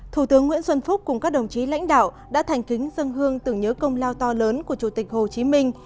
thủ tướng nguyễn xuân phúc cùng các đồng chí lãnh đạo đã thành kính dân hương tưởng nhớ công lao to lớn của chủ tịch hồ chí minh